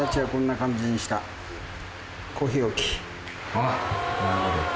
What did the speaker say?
あっなるほど。